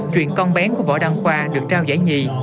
truyện con bén của võ đăng khoa được trao giải nhì